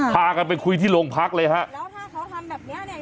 พากันไปคุยที่โรงพักเลยฮะแล้วถ้าเขาทำแบบเนี้ยเนี้ย